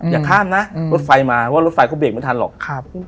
อย่าข้ามนะรถไฟมาว่ารถไฟเขาเบรกไม่ทันหรอก